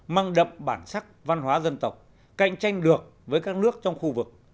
mang đậm bản sắc văn hóa dân tộc cạnh tranh được với các nước trong khu vực